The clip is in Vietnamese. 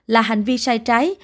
là hành vi sai trái